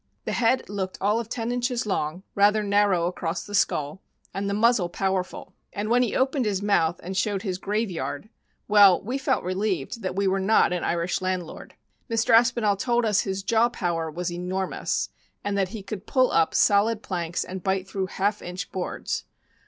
The head looked all of ten inches long, rather narrow across the skull, and the muzzle powerful; and when he opened his mouth and showed his "graveyard" — well, we felt relieved that we were not an Irish landlord. Mr. Aspinall told us his jaw power was enormous, and that he could pull up solid planks and bite through half inch boards.